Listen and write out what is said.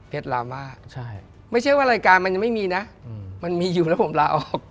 ลามาไม่ใช่ว่ารายการมันยังไม่มีนะมันมีอยู่แล้วผมลาออก